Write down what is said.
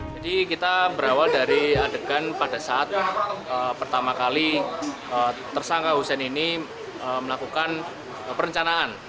jadi kita berawal dari adegan pada saat pertama kali tersangka hussein ini melakukan perencanaan